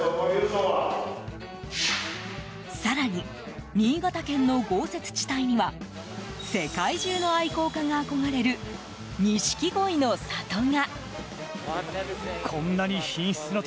更に、新潟県の豪雪地帯には世界中の愛好家が憧れる錦鯉の里が！